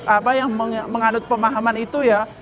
apa yang menganut pemahaman itu ya